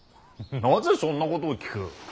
なぜそんなことを聞く。